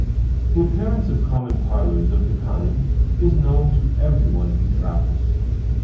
The appearance of common parlours of the kind is known to every one who travels.